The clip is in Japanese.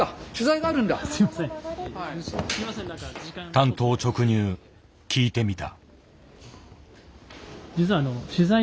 単刀直入聞いてみた。